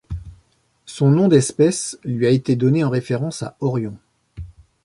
Son nom d'espèce lui a été donné en référence à Orion.